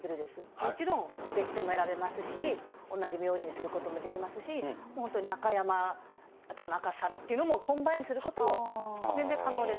もちろん、別姓も選べますし、同じ名字にすることもできますし、中山・田中サラというのも、コンバインすることも全然可能です。